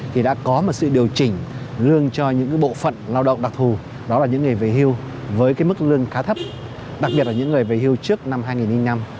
thì đã có một sự điều chỉnh lương cho những bộ phận lao động đặc thù đó là những người về hưu với cái mức lương khá thấp đặc biệt là những người về hưu trước năm hai nghìn năm